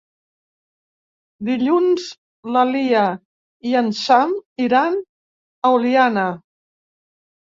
Dilluns na Lia i en Sam iran a Oliana.